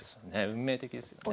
運命的ですよね。